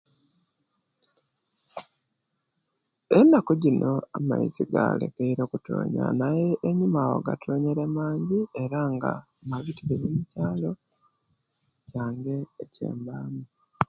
Enaku jino amaizi gali galekeile okutonya naye enyuma awo gatonyere mangi era nga mabitirivu okukyaalo kyange ekyembaamu